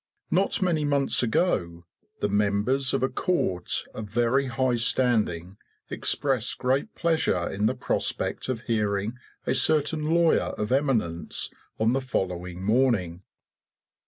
Not many months ago the members of a court of very high standing expressed great pleasure in the prospect of hearing a certain lawyer of eminence on the following morning.